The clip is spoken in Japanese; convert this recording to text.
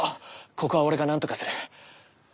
ここは俺がなんとかする。